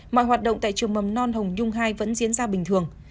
mọi hoạt động tại trường mầm non hồng nhung hai vẫn diễn ra bình thường